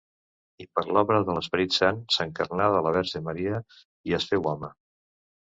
I, per obra de l'Esperit Sant, s'encarnà de la Verge Maria, i es féu home.